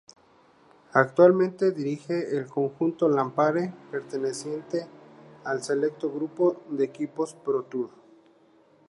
Actualmente dirige el conjunto Lampre, perteneciente al selecto grupo de equipos ProTour.